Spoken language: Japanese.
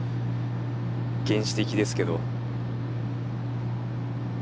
原始的ですけど。